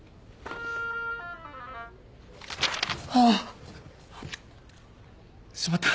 ああっ！しまった。